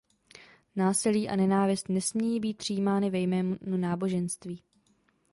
Násilí a nenávist nesmějí být přijímány ve jménu náboženství.